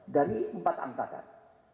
dari empat angkatan